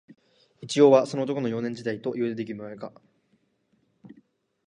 一葉は、その男の、幼年時代、とでも言うべきであろうか